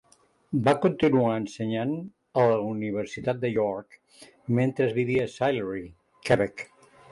Va continuar ensenyant a la Universitat de York, mentre vivia a Sillery, Quebec.